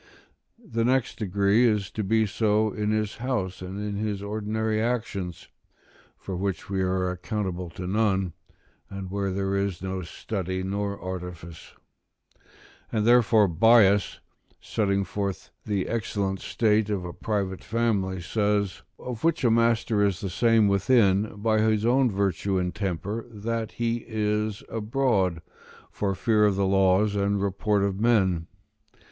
The next degree is to be so in his house, and in his ordinary actions, for which we are accountable to none, and where there is no study nor artifice. And therefore Bias, setting forth the excellent state of a private family, says: "of which a the master is the same within, by his own virtue and temper, that he is abroad, for fear of the laws and report of men."